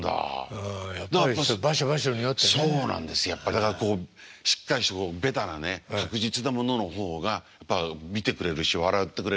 だからしっかりしたベタなね確実なものの方がやっぱ見てくれるし笑ってくれるんですよね。